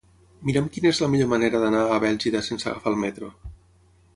Mira'm quina és la millor manera d'anar a Bèlgida sense agafar el metro.